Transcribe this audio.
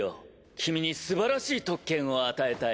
君に素晴らしい特権を与えたい。